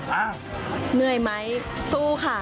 เหนื่อยไหมสู้ค่ะ